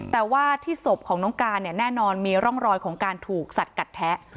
แต่ว่าที่ศพของน้องการเนี่ยแน่นอนมีร่องรอยของการถูกสัดกัดแทะ